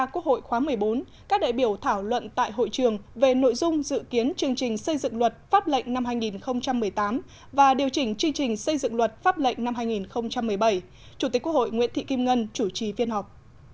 quốc hội khóa một mươi bốn các đại biểu thảo luận tại hội trường về nội dung dự kiến chương trình xây dựng luật pháp lệnh năm hai nghìn một mươi tám và điều chỉnh chương trình xây dựng luật pháp lệnh năm hai nghìn một mươi bảy chủ tịch quốc hội nguyễn thị kim ngân chủ trì phiên họp